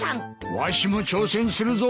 わしも挑戦するぞ！